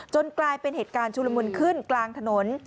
กลายเป็นเหตุการณ์ชุลมุนขึ้นกลางถนน